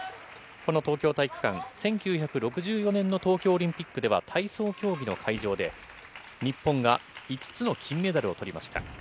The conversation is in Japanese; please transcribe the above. この東京体育館、１９６４年の東京オリンピックでは体操競技の会場で、日本が５つの金メダルをとりました。